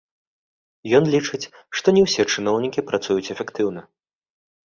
Ён лічыць, што не ўсе чыноўнікі працуюць эфектыўна.